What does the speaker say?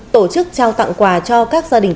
tổ chức trao tặng quà cho các gia đình